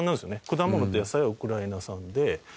果物と野菜はウクライナ産で。